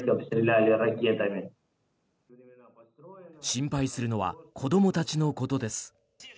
心配するのは子どもたちのことです。